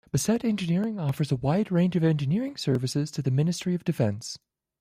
Bassett Engineering offer a wide range of engineering services to the Ministry of Defence.